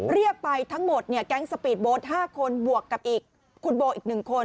เรียกไปทั้งหมดเนี่ยแก๊งสปีดโบ๊ท๕คนบวกกับอีกคุณโบอีก๑คน